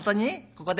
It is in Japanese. ここで？